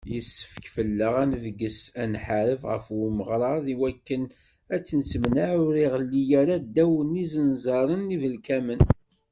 Yessefk fell-aɣ ad nebges, ad nḥareb ɣef umeɣrad iwakken ad t-nessemneɛ ur iɣelli ara ddaw n yizenẓaren ibelkamen.